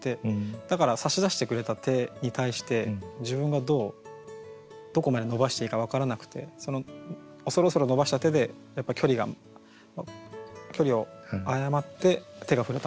だから差し出してくれた手に対して自分がどうどこまで伸ばしていいか分からなくてその恐る恐る伸ばした手でやっぱ距離が距離を誤って手が触れたのかなって。